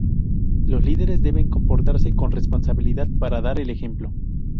Los líderes deben comportarse con responsabilidad para dar el ejemplo.